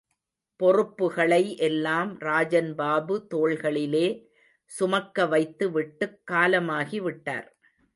பொறுப்புகளை எல்லாம் ராஜன் பாபு தோள்களிலே சுமக்க வைத்து விட்டுக் காலமாகி விட்டார்.